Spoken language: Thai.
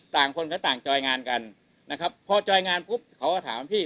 คนก็ต่างจอยงานกันนะครับพอจอยงานปุ๊บเขาก็ถามพี่